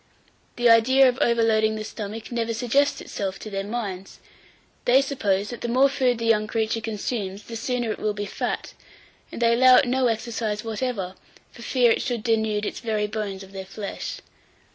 The idea of overloading the stomach never suggests itself to their minds. They suppose that the more food the young creature consumes, the sooner it will be fat, and they allow it no exercise whatever, for fear it should denude its very bones of their flesh.